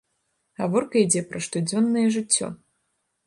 Гаворка ідзе пра штодзённае жыццё.